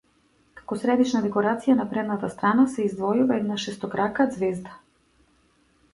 Како средишна декорација на предната страна се издвојува една шестокрака ѕвезда.